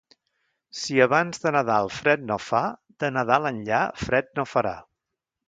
Si abans de Nadal fred no fa, de Nadal enllà, fred no farà.